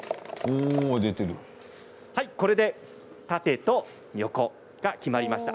これで縦と横が決まりました。